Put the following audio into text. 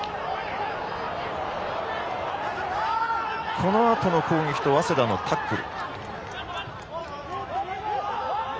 このあとの攻撃と早稲田のタックル。